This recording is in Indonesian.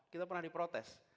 kita pernah di protes